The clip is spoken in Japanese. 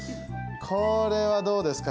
これはどうですか？